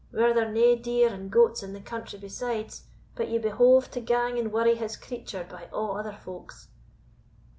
were there nae deer and goats in the country besides, but ye behoved to gang and worry his creature, by a' other folk's?"